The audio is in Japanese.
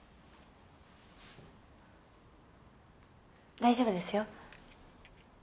大丈夫ですよ。